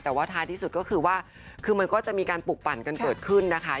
แต่ว่าท้ายที่สุดก็คือว่าคือมันก็จะมีการปลูกปั่นกันเกิดขึ้นนะคะ